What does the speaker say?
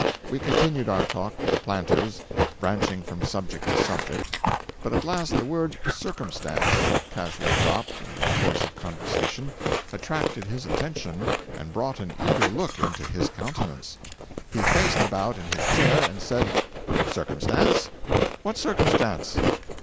We continued our talk with the planters, branching from subject to subject. But at last the word "circumstance," casually dropped, in the course of conversation, attracted his attention and brought an eager look into his countenance. He faced about in his chair and said: "Circumstance? What circumstance?